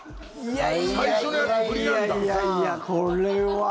いやいやいや、これは。